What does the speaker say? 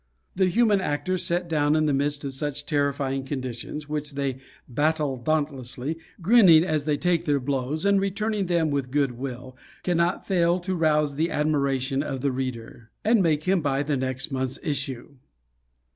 The human actors, set down in the midst of such terrifying conditions, which they battle dauntlessly, grinning as they take their blows and returning them with good will, cannot fail to rouse the admiration of the reader. And make him buy the next month's issue.